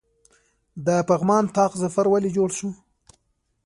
د پغمان طاق ظفر ولې جوړ شو؟